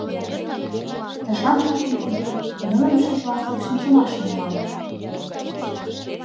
Тышан капым поген, нылымше класслык шинчымашым налын.